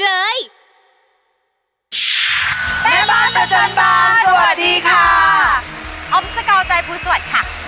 อ๋อออมสกาวใจภูมิสวัสดิ์ค่ะ